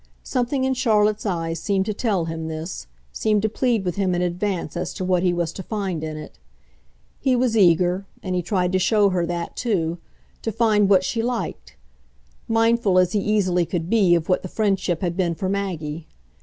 Something in Charlotte's eyes seemed to tell him this, seemed to plead with him in advance as to what he was to find in it. He was eager and he tried to show her that too to find what she liked; mindful as he easily could be of what the friendship had been for Maggie.